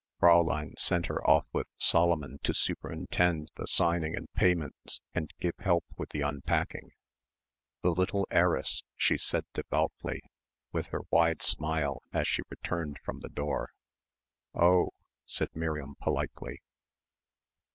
Fräulein sent her off with Solomon to superintend the signing and payments and give help with the unpacking. "The little heiress," she said devoutly, with her wide smile as she returned from the door. "Oh ..." said Miriam politely.